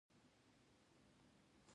دوی غواړي چې ډېرې پيسې پيدا کړي.